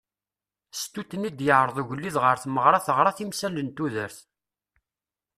Stut-nni i d-yeɛreḍ ugelliḍ ɣer tmeɣra teɣra timsal n tudert.